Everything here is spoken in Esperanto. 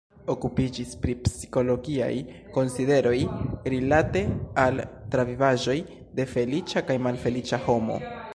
Okupiĝis pri psikologiaj konsideroj rilate al travivaĵoj de feliĉa kaj malfeliĉa homo.